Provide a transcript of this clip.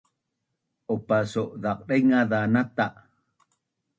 opa su’zaq dengaz za nata